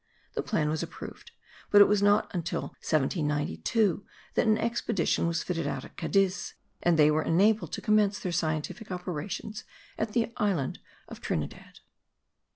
The plan was approved; but it was not till 1792 that an expedition was fitted out at Cadiz, and they were enabled to commence their scientific operations at the island of Trinidad.